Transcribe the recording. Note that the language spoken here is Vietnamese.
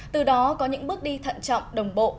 từ đó có những bước đi thận trọng đồng bộ